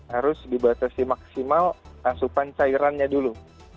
harus dibatasi maksimal asupan cairannya dulu